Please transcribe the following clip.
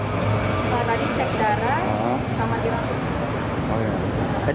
tadi cek darah sama di rapid test